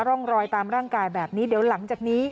ร่องรอยตามร่างกายแบบนี้เดี๋ยวหลังจากนี้